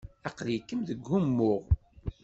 Aqli-kem deg umuɣ.